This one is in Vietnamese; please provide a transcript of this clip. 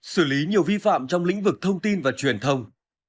xử lý nhiều vi phạm trong lĩnh vực thông tin và truyền thông